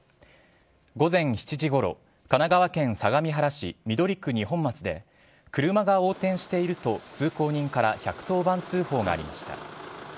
午前７時ごろ、神奈川県相模原市緑区二本松で、車が横転していると通行人から１１０番通報がありました。